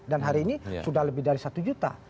dan hari ini sudah lebih dari satu juta